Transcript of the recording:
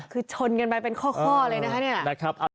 คือชนกันไปเป็นข้อเลยนะคะเนี่ย